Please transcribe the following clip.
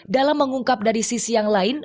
dalam mengungkap dari sisi yang lain